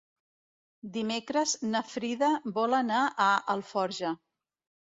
Dimecres na Frida vol anar a Alforja.